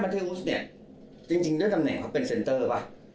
โรธ่ามัทเทฮูสเนี่ยจริงด้วยตำแหน่งเขาเป็นเซ็นเตอร์ปะ